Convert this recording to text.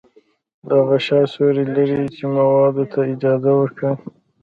دا غشا سوري لري چې موادو ته اجازه ورکوي.